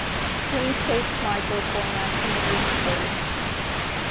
Link-based microformats emerged first.